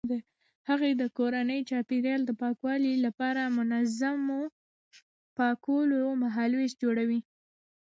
هغې د کورني چاپیریال د پاکوالي لپاره د منظمو پاکولو مهالویش جوړوي.